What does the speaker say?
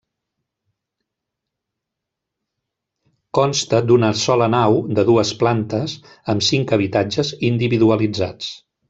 Consta d'una sola nau, de dues plantes, amb cinc habitatges individualitzats.